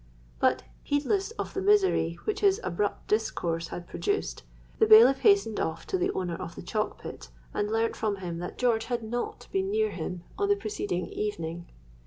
But, heedless of the misery which his abrupt discourse had produced, the bailiff hastened off to the owner of the chalk pit, and learnt from him that George had not been near him on the preceding evening.